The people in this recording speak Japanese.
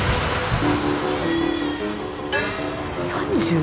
３０？